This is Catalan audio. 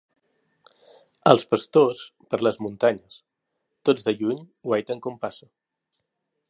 Els pastors, per les muntanyes, tots de lluny guaiten com passa.